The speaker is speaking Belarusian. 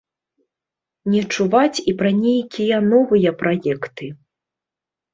Не чуваць і пра нейкія новыя праекты.